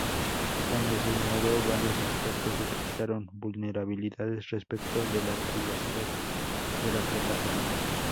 Cuando se inauguró, varios expertos detectaron vulnerabilidades respecto de la privacidad de la plataforma.